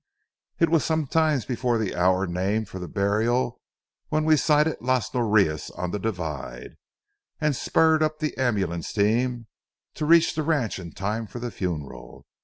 It was some time before the hour named for the burial when we sighted Las Norias on the divide, and spurred up the ambulance team, to reach the ranch in time for the funeral.